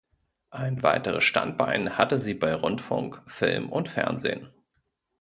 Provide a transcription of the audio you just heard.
Ein weiteres Standbein hatte sie bei Rundfunk, Film und Fernsehen.